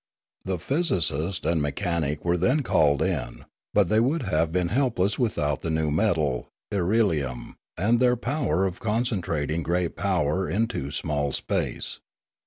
The physicist and mechanic were then called in; but they would have been helpless without the new metal, irelium, and their power of concentrating great power into small space.